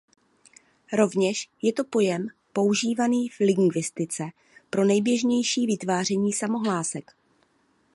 Rovněž je to pojem používaný v lingvistice pro nejběžnější vytváření samohlásek.